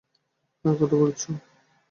কার কথা বলছো?